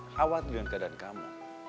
khawat dengan keadaan kamu